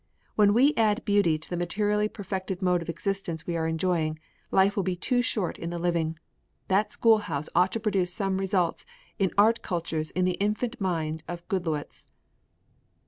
When we add beauty to the materially perfected mode of existence we are enjoying, life will be too short in the living. That schoolhouse ought to produce some results in art cultures in the infant mind of Goodloets."